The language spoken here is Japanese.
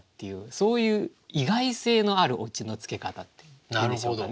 そういう意外性のあるオチのつけ方っていうんでしょうかね。